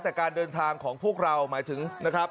แต่การเดินทางของพวกเราหมายถึงนะครับ